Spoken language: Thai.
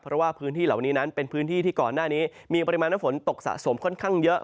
เพราะว่าพื้นที่เหล่านี้นั้นเป็นพื้นที่ที่ก่อนหน้านี้มีปริมาณน้ำฝนตกสะสมค่อนข้างเยอะ